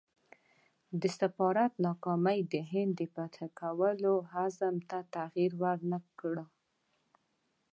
د سفارت ناکامي د هند د فتح کولو عزم ته تغییر ورنه کړ.